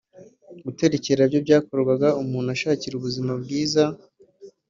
Guterekera byo byakorwaga umuntu ashakira ubuzima bwiza